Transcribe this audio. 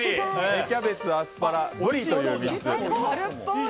芽キャベツ、アスパラ、ブリという３つ。